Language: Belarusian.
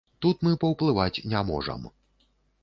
Тут мы паўплываць не можам.